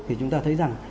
thì chúng ta thấy rằng